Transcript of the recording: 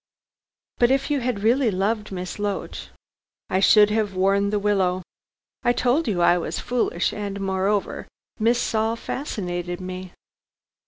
"But if you had really loved Miss Loach " "I should have worn the willow. I told you I was foolish, and, moreover, Miss Saul fascinated me.